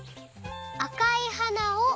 「あかいはなを」